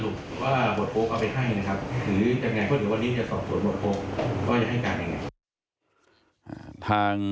หรือจะยังไงเพราะว่าวันนี้จะสอบส่วนหมดโค้กก็จะให้การยังไง